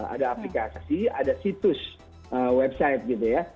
ada aplikasi ada situs website gitu ya